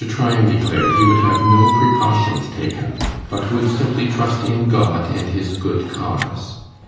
Tryan declared he would have no precautions taken, but would simply trust in God and his good cause.